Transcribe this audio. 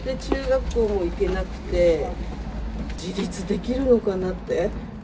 中学校も行けなくて、自立できるのかなって。